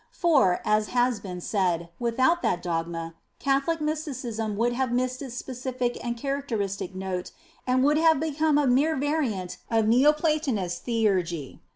For, as has been said, without that dogma, Catholic Mysticism would have missed its specific and characteristic note and would have become a mere variant of Neo platonist theurgy.